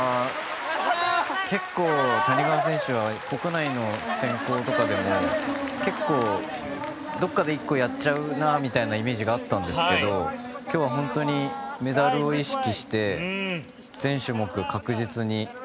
結構、谷川選手は国内の選考とかでも結構、どこかで１個やっちゃうなみたいなイメージがあったんですが今日は本当にメダルを意識して全種目、確実に。